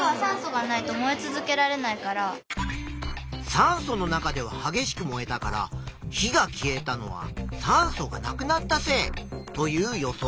酸素の中でははげしく燃えたから火が消えたのは酸素がなくなったせいという予想。